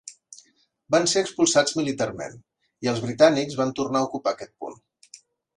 Van ser expulsats militarment i els britànics van tornar a ocupar aquest punt.